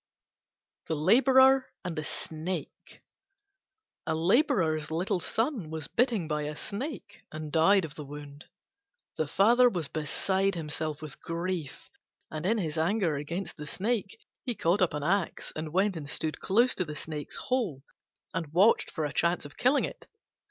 THE LABOURER AND THE SNAKE A Labourer's little son was bitten by a Snake and died of the wound. The father was beside himself with grief, and in his anger against the Snake he caught up an axe and went and stood close to the Snake's hole, and watched for a chance of killing it.